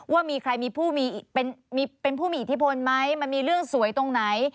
ว่ามีใครมีผู้มีผู้มีอิทธิพลไหมมันมีเรื่องสวยตรงไหน